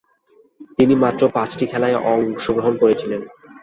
তিনি মাত্র পাঁচটি খেলায় অংশগ্রহণ করেছিলেন।